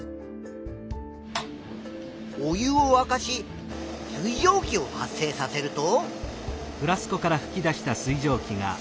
お湯をわかし水じょう気を発生させると？